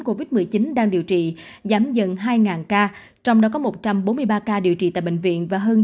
covid một mươi chín đang điều trị giảm dần hai ca trong đó có một trăm bốn mươi ba ca điều trị tại bệnh viện và hơn